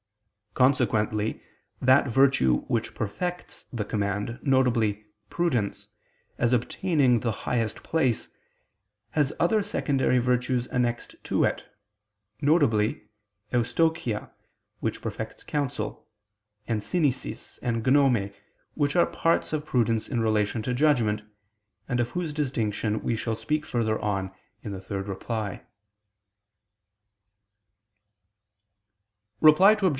Consequently, that virtue which perfects the command, viz. prudence, as obtaining the highest place, has other secondary virtues annexed to it, viz. eustochia, which perfects counsel; and synesis and gnome, which are parts of prudence in relation to judgment, and of whose distinction we shall speak further on (ad 3). Reply Obj.